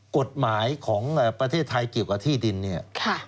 กฎหมายของประเทศไทยเกี่ยวกับที่ดินเนี่ย